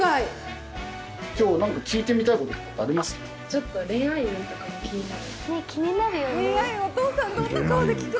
ちょっと恋愛運とかも気になる。